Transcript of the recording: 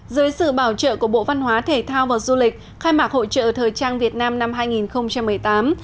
dưới sự bảo trợ của bộ văn hóa thể thao và du lịch khai mạc hội trợ thời trang việt nam năm hai nghìn một mươi tám